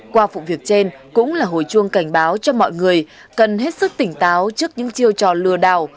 qua vụ việc trên cũng là hồi chuông cảnh báo cho mọi người cần hết sức tỉnh táo trước những chiêu trò lừa đảo